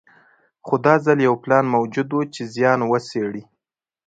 خو دا ځل یو پلان موجود و چې زیان وڅېړي.